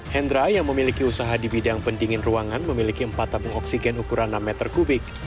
hendra yang memiliki usaha di bidang pendingin ruangan memiliki empat tabung oksigen ukuran enam meter kubik